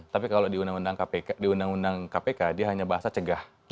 tapi kalau di undang undang kpk dia hanya bahasa cegah